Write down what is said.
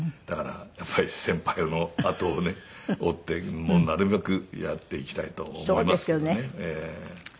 だからやっぱり先輩のあとをね追ってなるべくやっていきたいと思いますけどね。